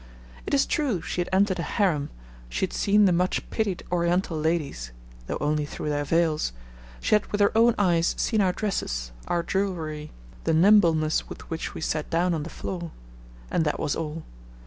It is true she had entered a harem; she had seen the much pitied Oriental ladies (though only through their veils); she had with her own eyes seen our dresses, our jewellery, the nimbleness with which we sat down on the floor and that was all.